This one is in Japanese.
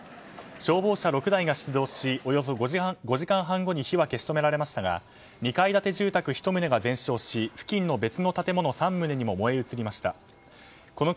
消防車６台が出動しおよそ５時間半後に火は消し止められましたが２階建て住宅１棟が全焼し付近の別の建物３棟にも燃え移りました。